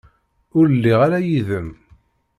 Ur lliɣ ara yid-m.